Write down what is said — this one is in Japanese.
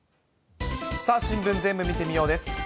さあ、新聞ぜーんぶ見てみよう！です。